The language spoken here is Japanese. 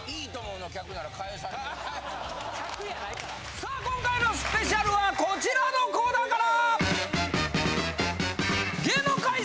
さあ今回のＳＰはこちらのコーナーから！